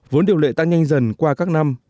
vốn điều lệ tăng nhanh dần qua các năm